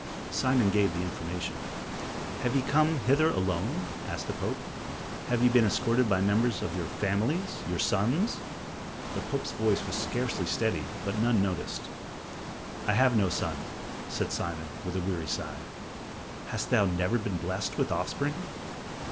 Simon gave the information. "Have ye come hither alone?" asked the Pope. "Or have ye been escorted by members of your families your sons?" The Pope's voice was scarcely steady, but none noticed. "I have no son," said Simon, with a weary sigh. "Hast thou never been blessed with offspring?"